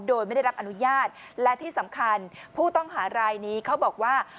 โดยไม่ได้รับอนุญาตและที่สำคัญผู้ต้องหารายนี้เขาบอกว่า